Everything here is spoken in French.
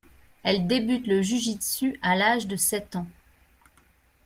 Elle débute le ju-jitsu à l'âge de sept ans.